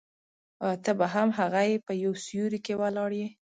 آیا ته به هم هغه یې په یو سیوري کې ولاړ یې.